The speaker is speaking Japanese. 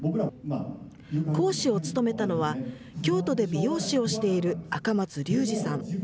講師を務めたのは、京都で美容師をしている赤松隆滋さん。